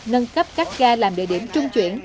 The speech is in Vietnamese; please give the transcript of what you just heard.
nâng cấp các ga làm địa điểm trung chuyển